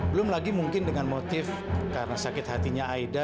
belum lagi mungkin dengan motif karena sakit hatinya aida